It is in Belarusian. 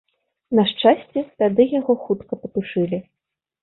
На шчасце, тады яго хутка патушылі.